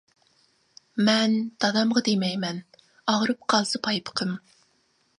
مەن دادامغا دېمەيمەن، ئاغرىپ قالسا پايپىقىم.